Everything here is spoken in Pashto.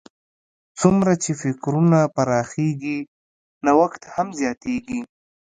څومره چې فکرونه پراخېږي، نوښت هم زیاتیږي.